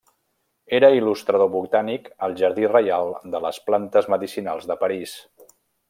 Era il·lustrador botànic al Jardí Reial de les Plantes Medicinals de París.